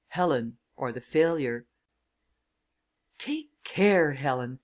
HELEN; OR THE FAILURE. "Take care, Helen!"